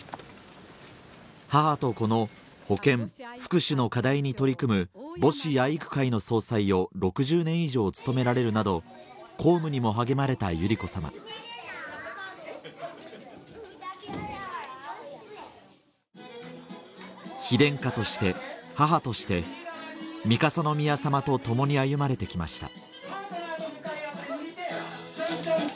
母と子の保健・福祉の課題に取り組む母子愛育会の総裁を６０年以上務められるなど公務にも励まれた百合子さま妃殿下として母として三笠宮さまとともに歩まれて来ました